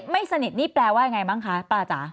ไม่สนิทนี่แปลว่ายังไงบ้างคะปลาจ๋า